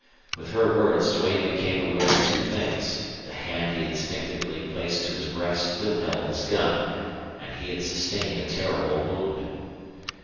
With her words Duane became aware of two things the hand he instinctively placed to his breast still held his gun, and he had sustained a terrible wound.